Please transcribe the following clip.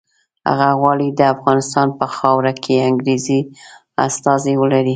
هغه غواړي د افغانستان په خاوره کې انګریزي استازي ولري.